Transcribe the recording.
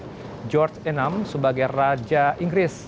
raja george vi sebagai raja inggris